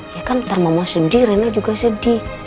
ya kan ntar mama sedih rena juga sedih